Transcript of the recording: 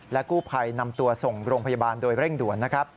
กู้ภัยนำตัวส่งโรงพยาบาลโดยเร่งด่วนนะครับ